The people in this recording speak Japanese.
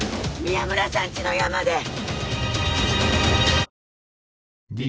宮村さんちの山で。